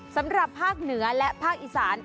สำหรับภาคเหนือและภาคอีสาน